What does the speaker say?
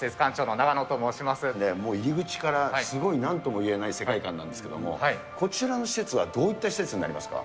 こちら、もう入り口から、すごいなんとも言えない世界観なんですけれども、こちらの施設はどういった施設になりますか？